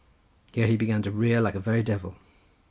Here he began to rear like a very devil.